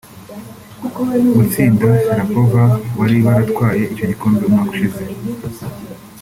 Gutsinda Sharapova wari waratwaye icyo gikombe umwaka ushize